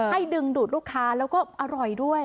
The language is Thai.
ดึงดูดลูกค้าแล้วก็อร่อยด้วย